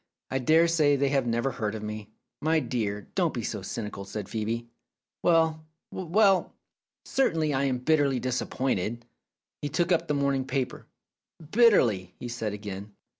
"I dare say they have never heard of me." "My dear, don't be so cynical," said Phcebe. "Well, well! Certainly I am bitterly disap pointed." He took up the morning paper. "Bitterly!" he said again.